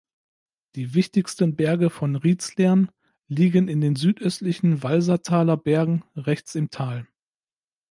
Die wichtigsten Berge von Riezlern liegen in den Südöstlichen Walsertaler Bergen, rechts im Tal.